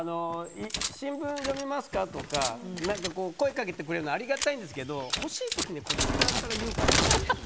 新聞を読みますかとか声をかけてくれるのはありがたいんですけど欲しい時にこっち側から言うからって。